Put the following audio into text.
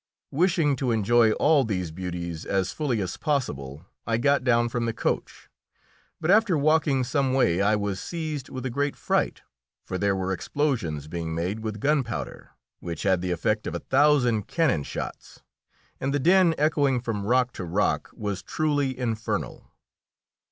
Wishing to enjoy all these beauties as fully as possible, I got down from the coach, but after walking some way I was seized with a great fright, for there were explosions being made with gunpowder, which had the effect of a thousand cannon shots, and the din echoing from rock to rock was truly infernal.